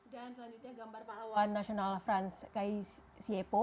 dan selanjutnya gambar pahlawan nasional frans kaisiepo